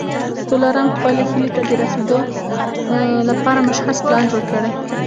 څلورم خپلې هيلې ته د رسېدو لپاره مشخص پلان جوړ کړئ.